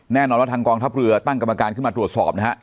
แน่นอนว่าทางกองทัพเรือตั้งกรรมการขึ้นมาตรวจสอบนะฮะ